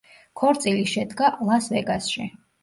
ქორწილი შედგა ლას-ვეგასში.